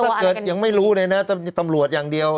นี่ถ้าเกิดยังไม่รู้เลยนะตำรวจอย่างเดียว